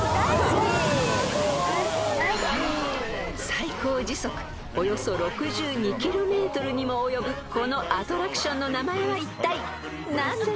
［最高時速およそ６２キロメートルにも及ぶこのアトラクションの名前はいったい何でしょう？］